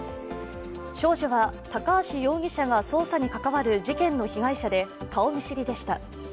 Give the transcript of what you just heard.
少女は高橋容疑者が捜査に関わる事件の被害者で顔見知りでした。